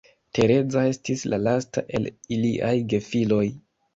Tereza estis la lasta el iliaj gefiloj.